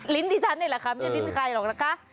ลิ้นที่ฉันเนี่ยเหรอครับไม่ได้ลิ้นใครหรอกนะคะ